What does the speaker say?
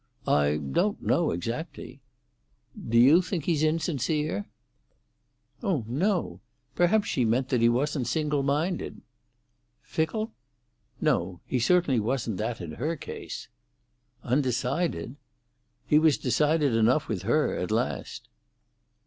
"I don't know exactly." "Do you think he's insincere?" "Oh no. Perhaps she meant that he wasn't single minded." "Fickle?" "No. He certainly wasn't that in her case." "Undecided?" "He was decided enough with her—at last."